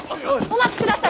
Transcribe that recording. お待ちください！